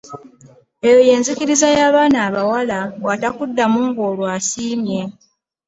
Eyo y'enzikiriza y'abaana abawala bw'atakuddamu ng'olwo asiimye.